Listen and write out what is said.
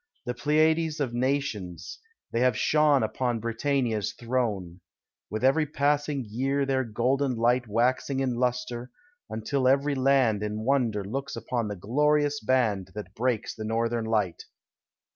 The Pleiades of nations, they have shone Upon Britannia's throne; With every passing year, their golden light Waxing in lustre, until every land In wonder looks upon the glorious band That breaks the Northern night.